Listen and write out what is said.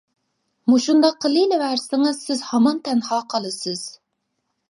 مۇشۇنداق قىلىۋەرسىڭىز سىز ھامان تەنھا قالىسىز.